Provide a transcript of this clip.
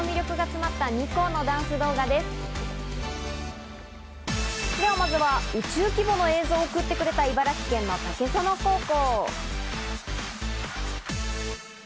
まずは宇宙規模の映像を送ってくれた茨城県の竹園高校。